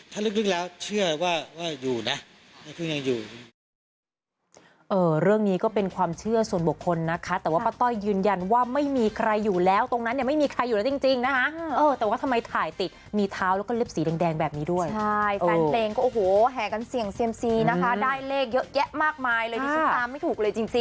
ถ้าลึกแล้วเชื่อว่าอยู่นะก็ยังอยู่